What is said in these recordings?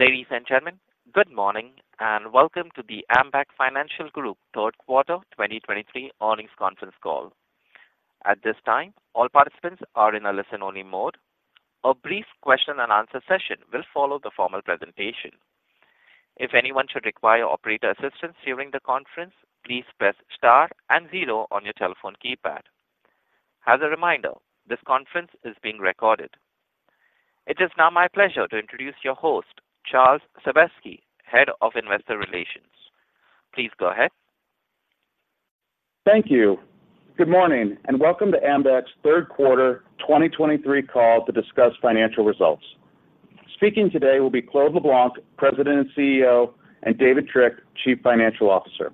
Ladies and gentlemen, good morning, and welcome to the Ambac Financial Group third quarter 2023 earnings conference call. At this time, all participants are in a listen-only mode. A brief question and answer session will follow the formal presentation. If anyone should require operator assistance during the conference, please press star and zero on your telephone keypad. As a reminder, this conference is being recorded. It is now my pleasure to introduce your host, Charles Sebaski, Head of Investor Relations. Please go ahead. Thank you. Good morning, and welcome to Ambac's third quarter 2023 call to discuss financial results. Speaking today will be Claude LeBlanc, President and CEO, and David Trick, Chief Financial Officer.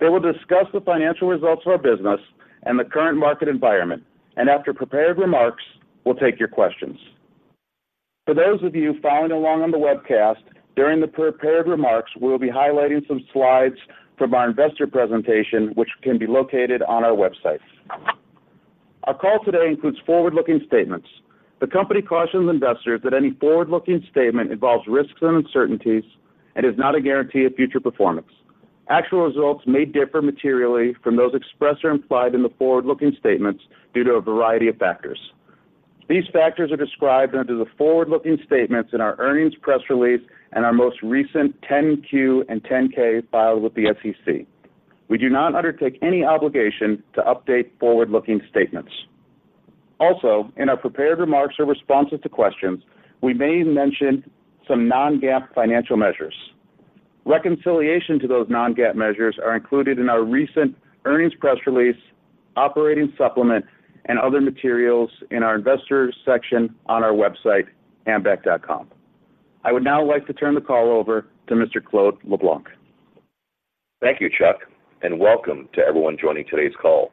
They will discuss the financial results of our business and the current market environment, and after prepared remarks, we'll take your questions. For those of you following along on the webcast, during the prepared remarks, we'll be highlighting some slides from our investor presentation, which can be located on our website. Our call today includes forward-looking statements. The company cautions investors that any forward-looking statement involves risks and uncertainties and is not a guarantee of future performance. Actual results may differ materially from those expressed or implied in the forward-looking statements due to a variety of factors. These factors are described under the forward-looking statements in our earnings press release and our most recent 10-Q and 10-K filed with the SEC. We do not undertake any obligation to update forward-looking statements. Also, in our prepared remarks or responses to questions, we may mention some non-GAAP financial measures. Reconciliation to those non-GAAP measures are included in our recent earnings press release, operating supplement, and other materials in our investors section on our website, ambac.com. I would now like to turn the call over to Mr. Claude LeBlanc. Thank you, Chuck, and welcome to everyone joining today's call.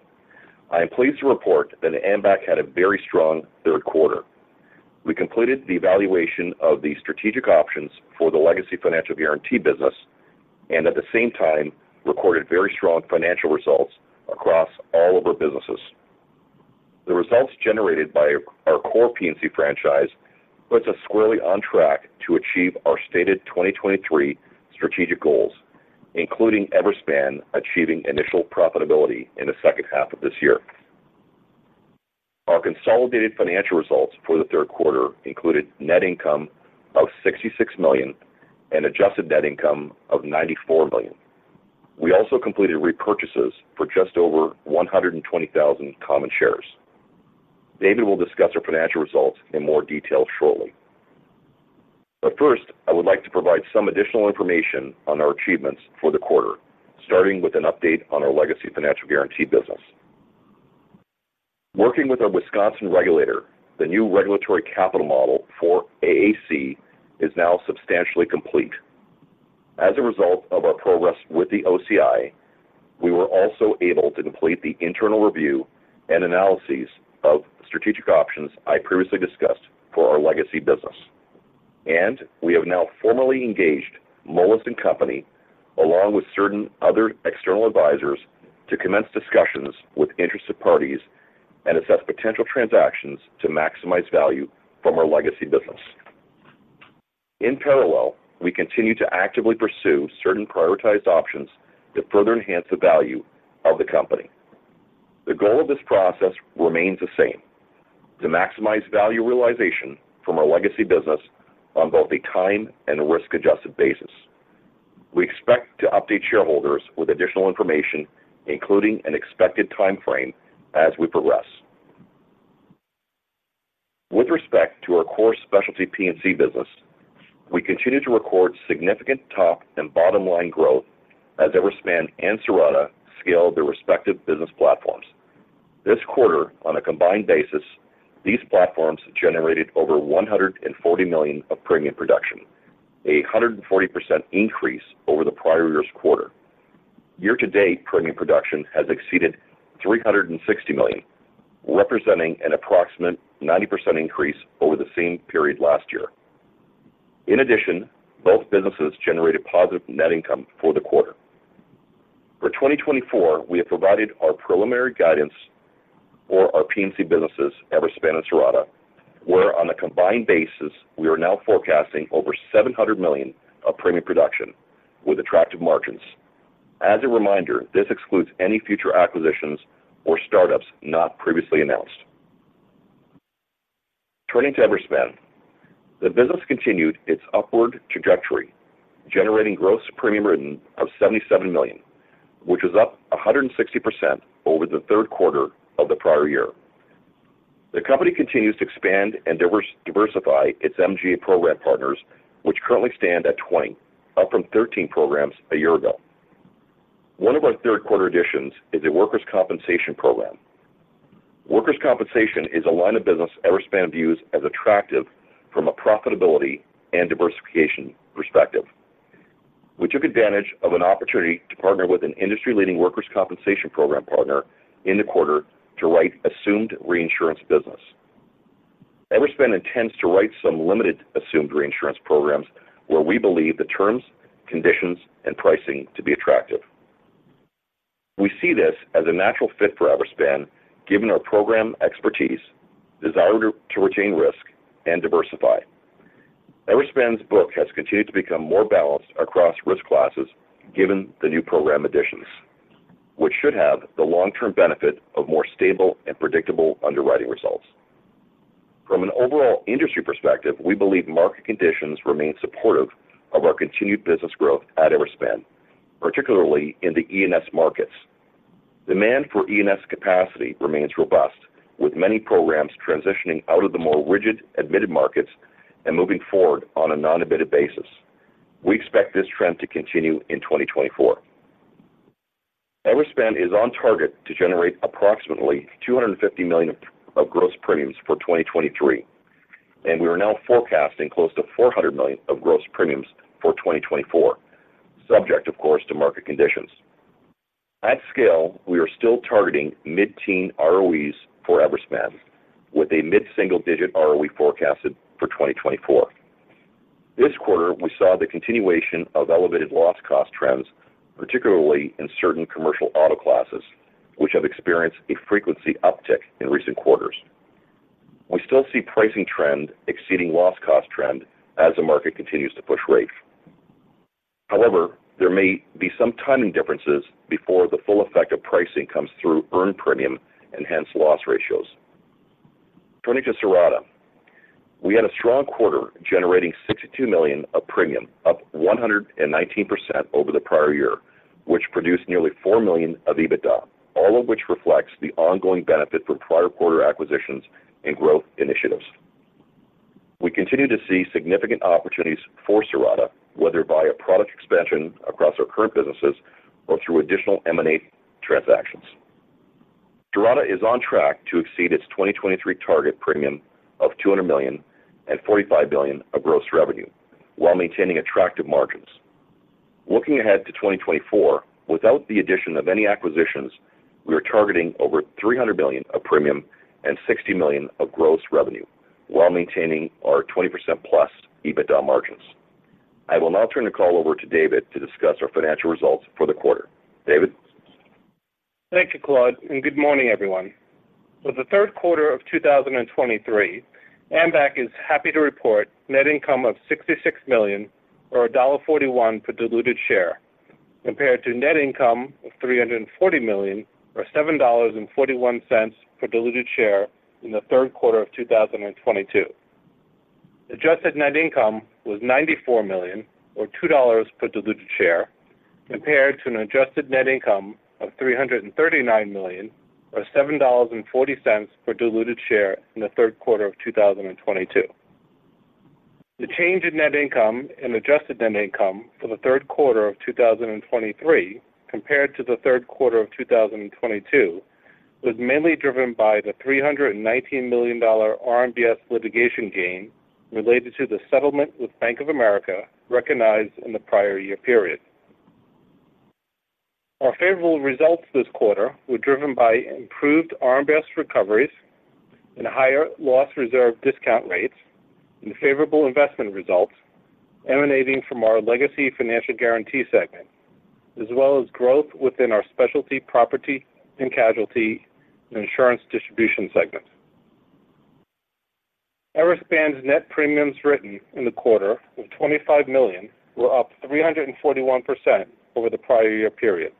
I am pleased to report that Ambac had a very strong third quarter. We completed the evaluation of the strategic options for the Legacy Financial Guarantee business, and at the same time, recorded very strong financial results across all of our businesses. The results generated by our core P&C franchise puts us squarely on track to achieve our stated 2023 strategic goals, including Everspan achieving initial profitability in the second half of this year. Our consolidated financial results for the third quarter included net income of $66 million and adjusted net income of $94 million. We also completed repurchases for just over 120,000 common shares. David will discuss our financial results in more detail shortly. But first, I would like to provide some additional information on our achievements for the quarter, starting with an update on our Legacy Financial Guarantee business. Working with our Wisconsin regulator, the new regulatory capital model for AAC is now substantially complete. As a result of our progress with the OCI, we were also able to complete the internal review and analyses of strategic options I previously discussed for our Legacy business. And we have now formally engaged Moelis & Company, along with certain other external advisors, to commence discussions with interested parties and assess potential transactions to maximize value from our Legacy business. In parallel, we continue to actively pursue certain prioritized options to further enhance the value of the company. The goal of this process remains the same: to maximize value realization from our Legacy business on both a time and a risk-adjusted basis. We expect to update shareholders with additional information, including an expected timeframe, as we progress. With respect to our core Specialty P&C business, we continue to record significant top and bottom-line growth as Everspan and Cirrata scale their respective business platforms. This quarter, on a combined basis, these platforms generated over $140 million of premium production, 140% increase over the prior year's quarter. Year to date, premium production has exceeded $360 million, representing an approximate 90% increase over the same period last year. In addition, both businesses generated positive net income for the quarter. For 2024, we have provided our preliminary guidance for our P&C businesses, Everspan and Cirrata, where on a combined basis, we are now forecasting over $700 million of premium production with attractive margins. As a reminder, this excludes any future acquisitions or startups not previously announced. Turning to Everspan, the business continued its upward trajectory, generating gross premium written of $77 million, which is up 160% over the third quarter of the prior year. The company continues to expand and diversify its MGA program partners, which currently stand at 20, up from 13 programs a year ago. One of our third quarter additions is a workers' compensation program. Workers' compensation is a line of business Everspan views as attractive from a profitability and diversification perspective. We took advantage of an opportunity to partner with an industry-leading workers' compensation program partner in the quarter to write assumed reinsurance business. Everspan intends to write some limited assumed reinsurance programs where we believe the terms, conditions, and pricing to be attractive. We see this as a natural fit for Everspan, given our program expertise, desire to retain risk and diversify. Everspan's book has continued to become more balanced across risk classes, given the new program additions, which should have the long-term benefit of more stable and predictable underwriting results. From an overall industry perspective, we believe market conditions remain supportive of our continued business growth at Everspan, particularly in the E&S markets. Demand for E&S capacity remains robust, with many programs transitioning out of the more rigid admitted markets and moving forward on a non-admitted basis. We expect this trend to continue in 2024. Everspan is on target to generate approximately $250 million of gross premiums for 2023, and we are now forecasting close to $400 million of gross premiums for 2024, subject, of course, to market conditions. At scale, we are still targeting mid-teen ROEs for Everspan, with a mid-single-digit ROE forecasted for 2024. This quarter, we saw the continuation of elevated loss cost trends, particularly in certain commercial auto classes, which have experienced a frequency uptick in recent quarters. We still see pricing trend exceeding loss cost trend as the market continues to push rate. However, there may be some timing differences before the full effect of pricing comes through earned premium and hence loss ratios. Turning to Cirrata. We had a strong quarter, generating $62 million of premium, up 119% over the prior year, which produced nearly $4 million of EBITDA, all of which reflects the ongoing benefit from prior quarter acquisitions and growth initiatives. We continue to see significant opportunities for Cirrata, whether via product expansion across our current businesses or through additional M&A transactions. Cirrata is on track to exceed its 2023 target premium of $200 million and $45 billion of gross revenue while maintaining attractive margins. Looking ahead to 2024, without the addition of any acquisitions, we are targeting over $300 million of premium and $60 million of gross revenue while maintaining our 20%+ EBITDA margins. I will now turn the call over to David to discuss our financial results for the quarter. David? Thank you, Claude, and good morning, everyone. For the third quarter of 2023, Ambac is happy to report net income of $66 million or $1.41 per diluted share, compared to net income of $340 million or $7.41 per diluted share in the third quarter of 2022. Adjusted net income was $94 million or $2 per diluted share, compared to an adjusted net income of $339 million or $7.40 per diluted share in the third quarter of 2022. The change in net income and adjusted net income for the third quarter of 2023 compared to the third quarter of 2022 was mainly driven by the $319 million RMBS litigation gain related to the settlement with Bank of America, recognized in the prior year period. Our favorable results this quarter were driven by improved RMBS recoveries and higher loss reserve discount rates and favorable investment results emanating from our Legacy Financial Guarantee segment, as well as growth within our Specialty Property & Casualty, and Insurance Distribution segments. Everspan's net premiums written in the quarter of $25 million were up 341% over the prior year period.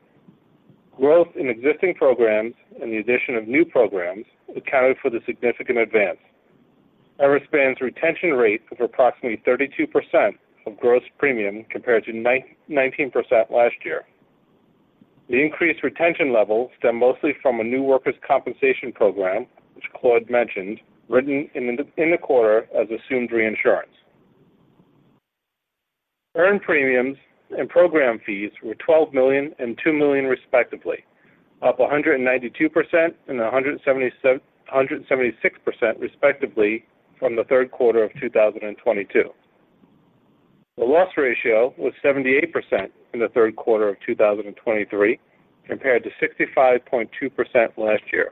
Growth in existing programs and the addition of new programs accounted for the significant advance. Everspan's retention rate of approximately 32% of gross premium, compared to 19% last year. The increased retention levels stem mostly from a new workers' compensation program, which Claude mentioned, written in the quarter as assumed reinsurance. Earned premiums and program fees were $12 million and $2 million respectively, up 192% and 176% respectively from the third quarter of 2022. The loss ratio was 78% in the third quarter of 2023, compared to 65.2% last year.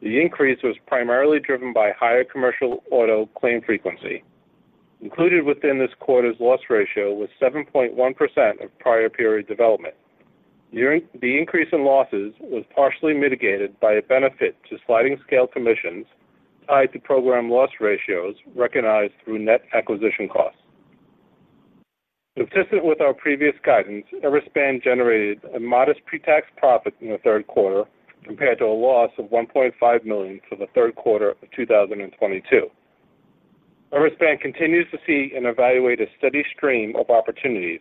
The increase was primarily driven by higher commercial auto claim frequency. Included within this quarter's loss ratio was 7.1% of prior period development. The increase in losses was partially mitigated by a benefit to sliding scale commissions tied to program loss ratios recognized through net acquisition costs. Consistent with our previous guidance, Everspan generated a modest pretax profit in the third quarter, compared to a loss of $1.5 million for the third quarter of 2022. Everspan continues to see and evaluate a steady stream of opportunities.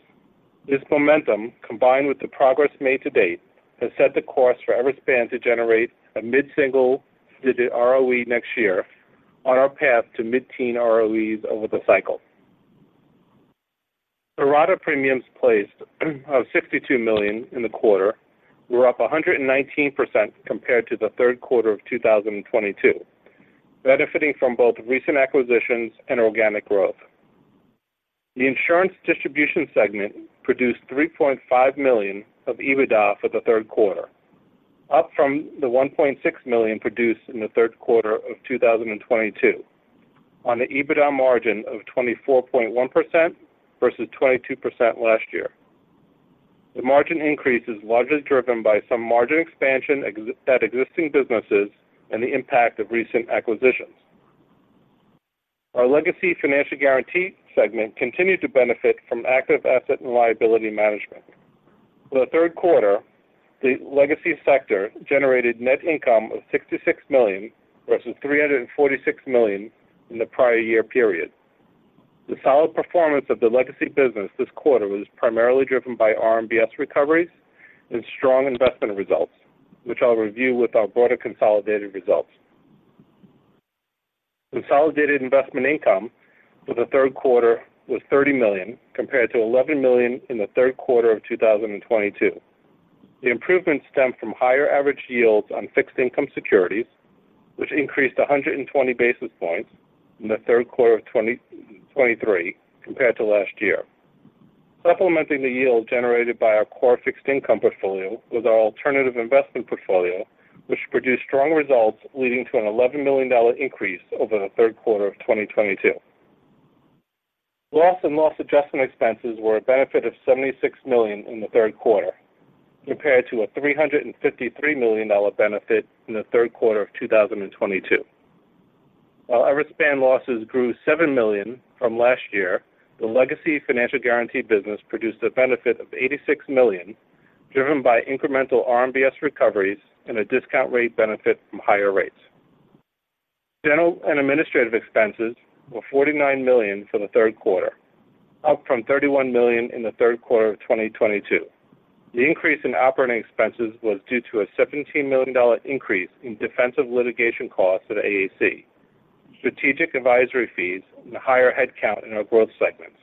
This momentum, combined with the progress made to date, has set the course for Everspan to generate a mid-single-digit ROE next year on our path to mid-teen ROEs over the cycle. Cirrata premiums placed of $62 million in the quarter were up 119% compared to the third quarter of 2022, benefiting from both recent acquisitions and organic growth. The Insurance Distribution segment produced $3.5 million of EBITDA for the third quarter, up from the $1.6 million produced in the third quarter of 2022, on the EBITDA margin of 24.1% versus 22% last year. The margin increase is largely driven by some margin expansion at existing businesses and the impact of recent acquisitions. Our Legacy Financial Guarantee segment continued to benefit from active asset and liability management. For the third quarter, the Legacy sector generated net income of $66 million, versus $346 million in the prior year period. The solid performance of the Legacy business this quarter was primarily driven by RMBS recoveries and strong investment results, which I'll review with our broader consolidated results. Consolidated investment income for the third quarter was $30 million, compared to $11 million in the third quarter of 2022. The improvement stemmed from higher average yields on fixed income securities, which increased 120 basis points in the third quarter of 2023 compared to last year. Supplementing the yield generated by our core fixed income portfolio was our alternative investment portfolio, which produced strong results, leading to an $11 million increase over the third quarter of 2022. Loss and loss adjustment expenses were a benefit of $76 million in the third quarter, compared to a $353 million benefit in the third quarter of 2022. While Everspan losses grew $7 million from last year, the Legacy Financial Guarantee business produced a benefit of $86 million, driven by incremental RMBS recoveries and a discount rate benefit from higher rates. General and administrative expenses were $49 million for the third quarter, up from $31 million in the third quarter of 2022. The increase in operating expenses was due to a $17 million increase in defensive litigation costs at AAC, strategic advisory fees, and higher headcount in our growth segments.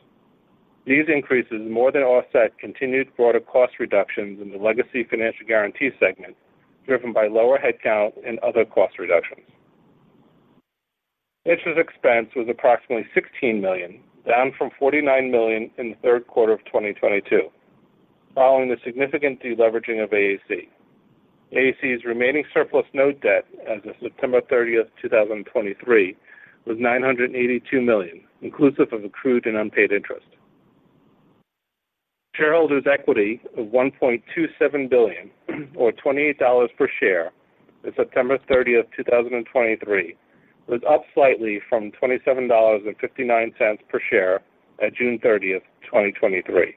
These increases more than offset continued broader cost reductions in the Legacy Financial Guarantee segment, driven by lower headcount and other cost reductions. Interest expense was approximately $16 million, down from $49 million in the third quarter of 2022, following the significant deleveraging of AAC. AAC's remaining surplus note debt as of September 30, 2023, was $982 million, inclusive of accrued and unpaid interest. Shareholders' equity of $1.27 billion, or $28 per share as of September 30, 2023, was up slightly from $27.59 per share at June 30, 2023.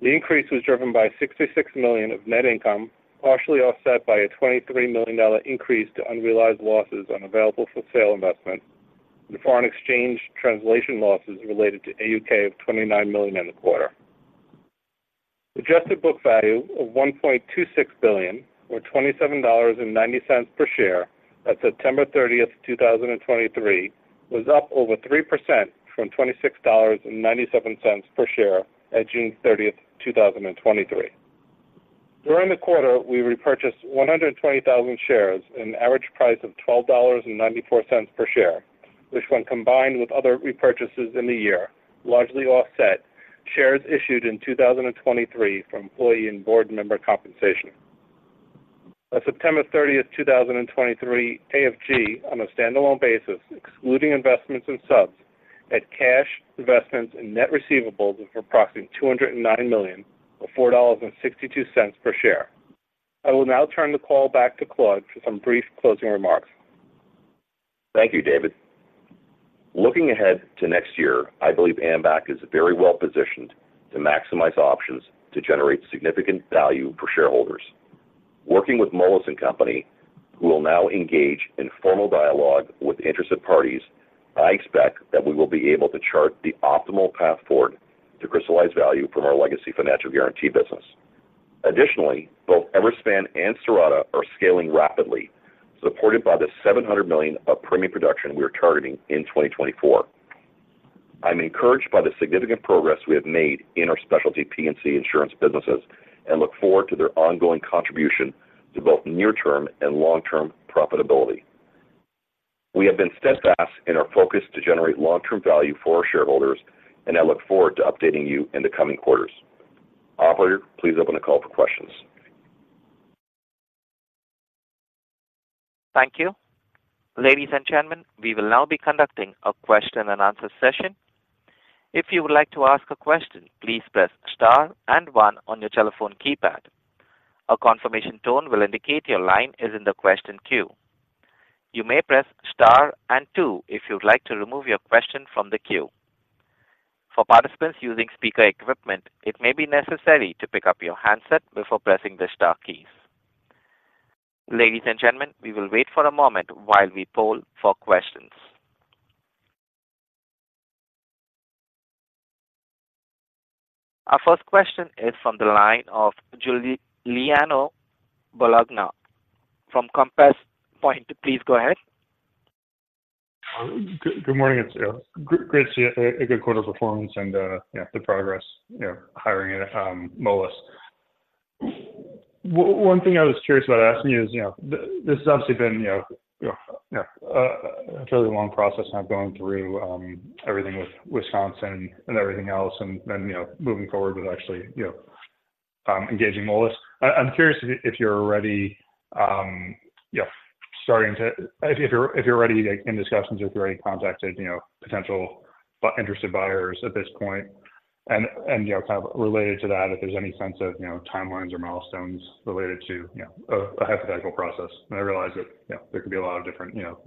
The increase was driven by $66 million of net income, partially offset by a $23 million increase to unrealized losses on available-for-sale investments and foreign exchange translation losses related to AUK of $29 million in the quarter. Adjusted book value of $1.26 billion, or $27.90 per share at September 30, 2023, was up over 3% from $26.97 per share at June 30, 2023. During the quarter, we repurchased 120,000 shares at an average price of $12.94 per share, which, when combined with other repurchases in the year, largely offset shares issued in 2023 for employee and board member compensation. As of September 30, 2023, AFG, on a standalone basis, excluding investments in subs, had cash, investments, and net receivables of approximately $209 million, or $4.62 per share. I will now turn the call back to Claude for some brief closing remarks. Thank you, David. Looking ahead to next year, I believe Ambac is very well positioned to maximize options to generate significant value for shareholders. Working with Moelis & Company, who will now engage in formal dialogue with interested parties, I expect that we will be able to chart the optimal path forward to crystallize value from our Legacy Financial Guarantee Business. Additionally, both Everspan and Cirrata are scaling rapidly, supported by the $700 million of premium production we are targeting in 2024. I'm encouraged by the significant progress we have made in our Specialty P&C insurance businesses and look forward to their ongoing contribution to both near-term and long-term profitability. We have been steadfast in our focus to generate long-term value for our shareholders, and I look forward to updating you in the coming quarters. Operator, please open the call for questions. Thank you. Ladies and gentlemen, we will now be conducting a question-and-answer session. If you would like to ask a question, please press star and one on your telephone keypad. A confirmation tone will indicate your line is in the question queue. You may press star and two if you'd like to remove your question from the queue. For participants using speaker equipment, it may be necessary to pick up your handset before pressing the star keys. Ladies and gentlemen, we will wait for a moment while we poll for questions. Our first question is from the line of Giuliano Bologna from Compass Point. Please go ahead. Good morning. It's great to see a good quarter performance and yeah, the progress, you know, hiring Moelis. One thing I was curious about asking you is, you know, this has obviously been, you know, you know, a fairly long process now going through everything with Wisconsin and everything else and then, you know, moving forward with actually, you know, engaging Moelis. I'm curious if you're already yeah, starting to—if you're already in discussions or if you've already contacted potential but interested buyers at this point, and you know, kind of related to that, if there's any sense of you know, timelines or milestones related to a hypothetical process. And I realize that, you know, there could be a lot of different, you know,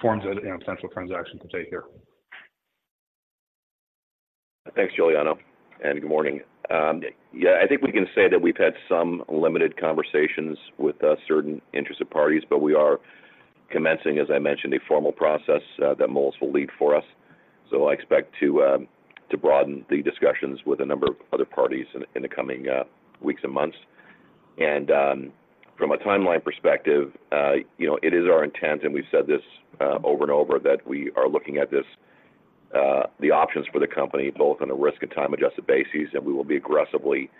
forms that, you know, potential transactions can take here. Thanks, Giuliano, and good morning. Yeah, I think we can say that we've had some limited conversations with certain interested parties, but we are commencing, as I mentioned, a formal process that Moelis will lead for us. So I expect to broaden the discussions with a number of other parties in the coming weeks and months. And from a timeline perspective, you know, it is our intent, and we've said this over and over, that we are looking at this the options for the company, both on a risk and time-adjusted basis, and we will be aggressively,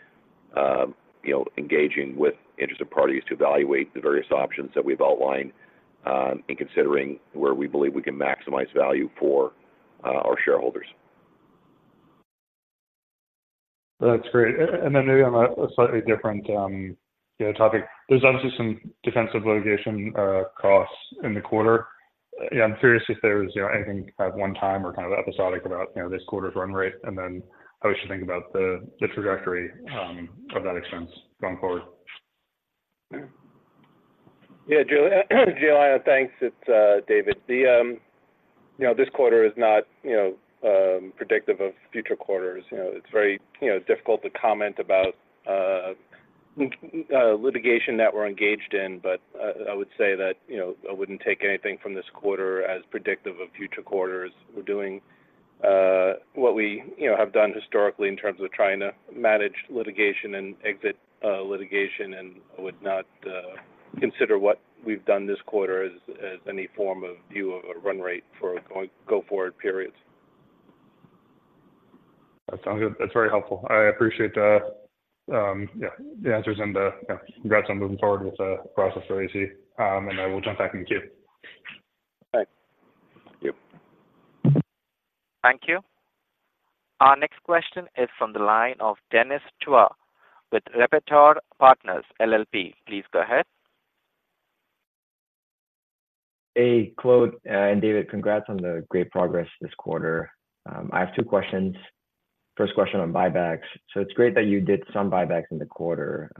you know, engaging with interested parties to evaluate the various options that we've outlined in considering where we believe we can maximize value for our shareholders. That's great. And then maybe on a slightly different, you know, topic. There's obviously some defensive litigation costs in the quarter. Yeah, I'm curious if there was, you know, anything at one time or kind of episodic about, you know, this quarter's run rate, and then how we should think about the trajectory of that expense going forward? Yeah, Giuliano, thanks. It's David. The... You know, this quarter is not, you know, predictive of future quarters. You know, it's very, you know, difficult to comment about litigation that we're engaged in, but I would say that, you know, I wouldn't take anything from this quarter as predictive of future quarters. We're doing what we, you know, have done historically in terms of trying to manage litigation and exit litigation, and I would not consider what we've done this quarter as any form of view of a run rate for going forward periods. That sounds good. That's very helpful. I appreciate the, yeah, the answers and, yeah, congrats on moving forward with the process for AAC, and I will jump back in the queue. Thanks. Thank you. Thank you. Our next question is from the line of Dennis Chua with Repertoire Partners LLP. Please go ahead. Hey, Claude and David, congrats on the great progress this quarter. I have two questions. First question on buybacks. So it's great that you did some buybacks in the quarter,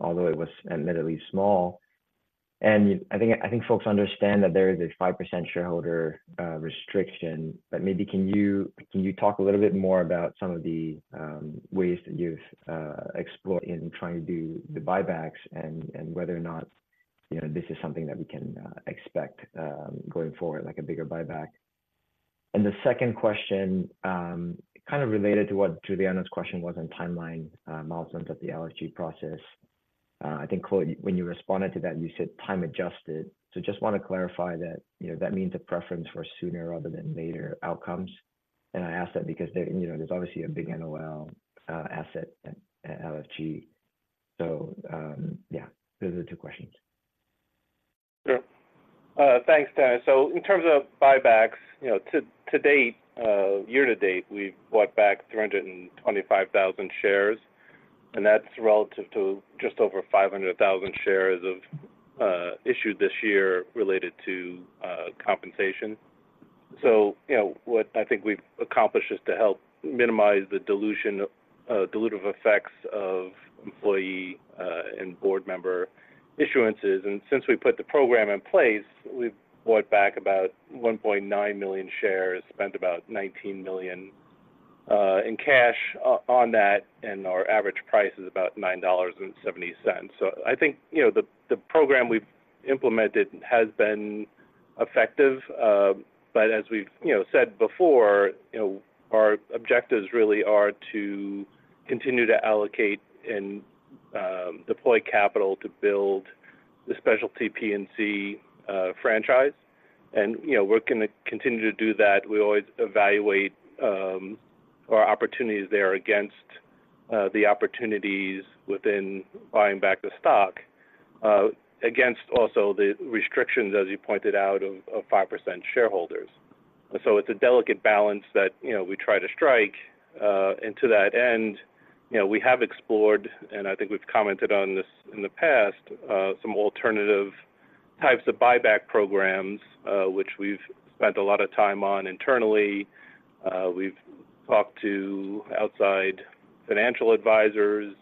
although it was admittedly small. And I think, I think folks understand that there is a 5% shareholder restriction, but maybe can you, can you talk a little bit more about some of the ways that you've explored in trying to do the buybacks and, and whether or not, you know, this is something that we can expect going forward, like a bigger buyback? And the second question, kind of related to what Giuliano's question was on timeline milestones of the LFG process. I think, Claude, when you responded to that, you said time adjusted. So just want to clarify that, you know, that means a preference for sooner rather than later outcomes. And I ask that because there, you know, there's obviously a big NOL asset at LFG. So, yeah, those are the two questions. Sure. Thanks, Dennis. So in terms of buybacks, you know, to date, year to date, we've bought back 325,000 shares, and that's relative to just over 500,000 shares issued this year related to compensation. So you know, what I think we've accomplished is to help minimize the dilution, dilutive effects of employee and board member issuances. And since we put the program in place, we've bought back about 1.9 million shares, spent about $19 million in cash on that, and our average price is about $9.70. So I think, you know, the program we've implemented has been effective, but as we've, you know, said before, you know, our objectives really are to continue to allocate and deploy capital to build the Specialty P&C franchise. You know, we're gonna continue to do that. We always evaluate our opportunities there against the opportunities within buying back the stock against also the restrictions, as you pointed out, of 5% shareholders. So it's a delicate balance that, you know, we try to strike, and to that end, you know, we have explored, and I think we've commented on this in the past, some alternative types of buyback programs, which we've spent a lot of time on internally. We've talked to outside financial advisors,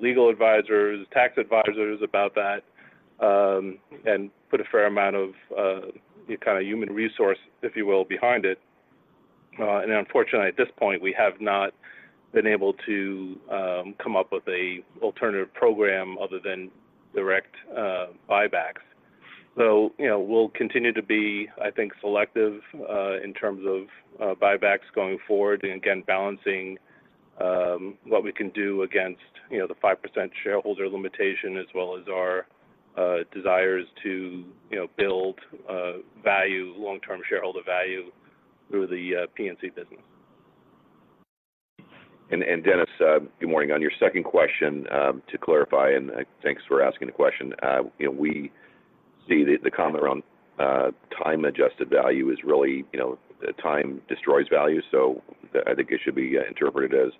legal advisors, tax advisors about that, and put a fair amount of kind of human resource, if you will, behind it. And unfortunately, at this point, we have not been able to come up with an alternative program other than direct buybacks. So, you know, we'll continue to be, I think, selective, in terms of, buybacks going forward, and again, balancing, what we can do against, you know, the 5% shareholder limitation, as well as our, desires to, you know, build, value, long-term shareholder value through the, P&C business. Dennis, good morning. On your second question, to clarify, thanks for asking the question. You know, we see the comment around time-adjusted value is really, you know, time destroys value, so I think it should be interpreted as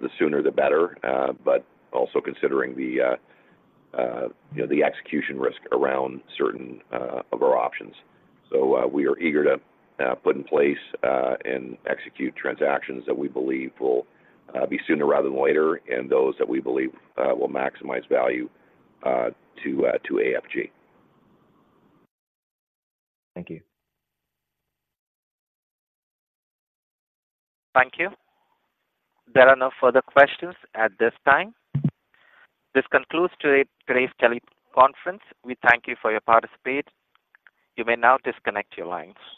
the sooner the better, but also considering you know, the execution risk around certain of our options. So, we are eager to put in place and execute transactions that we believe will be sooner rather than later, and those that we believe will maximize value to AFG. Thank you. Thank you. There are no further questions at this time. This concludes today's teleconference. We thank you for your participation. You may now disconnect your lines.